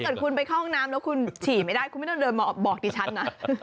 เกิดคุณไปเข้าห้องน้ำแล้วคุณฉี่ไม่ได้คุณไม่ต้องเดินมาบอกดิฉันนะ